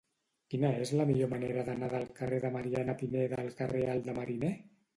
Quina és la millor manera d'anar del carrer de Mariana Pineda al carrer Alt de Mariner?